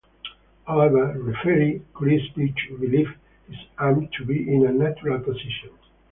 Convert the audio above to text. However, referee Chris Beath believed his arms to be in a natural position.